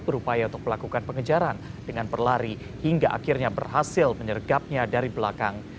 berupaya untuk melakukan pengejaran dengan berlari hingga akhirnya berhasil menyergapnya dari belakang